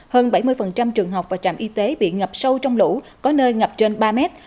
hơn bảy mươi trường học và trạm y tế bị ngập sâu trong lũ có nơi ngập trên ba mét